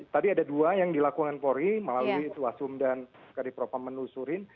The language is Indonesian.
tadi ada dua yang dilakukan polri melalui iswasum dan kadipropa menelusurin